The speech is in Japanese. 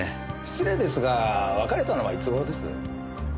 失礼ですが別れたのはいつ頃です？